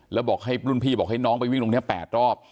แล้วบอกให้รุ่นพี่บอกให้น้องไปวิ่งตรงนี้๘รอบ